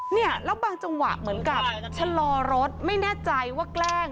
เนี่ยแล้วบางจังหวะเหมือนกับชะลอรถไม่แน่ใจว่าแกล้ง